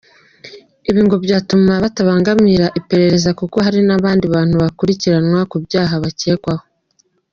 Ibi ngo byatuma batabangamira iperereza kuko hari n’abandi bantu bakurikiranwa ku byaha bakekwaho.